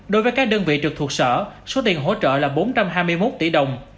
đối với các đơn vị trực thuộc sở số tiền hỗ trợ là bốn trăm hai mươi một tỷ đồng